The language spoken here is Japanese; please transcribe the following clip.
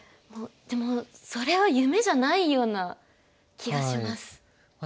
もうでもそれは夢じゃないような気がします。